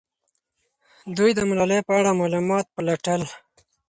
دوی د ملالۍ په اړه معلومات پلټل.